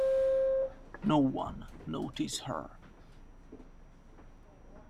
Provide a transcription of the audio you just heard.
No one noticed her.